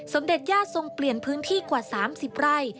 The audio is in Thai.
สมเด็จญาติทรงเปลี่ยนพื้นที่กว่า๓๐ไร่